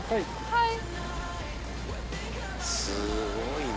はい。